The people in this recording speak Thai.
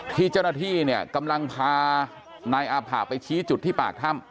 ที่เจ้าหน้าที่เนี่ยกำลังพานายอาผะไปชี้จุดที่ปากถ้ำ